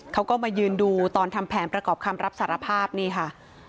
เขาก็มายืนดูตอนทำแผนประกอบคำรับสารภาพนี่ค่ะ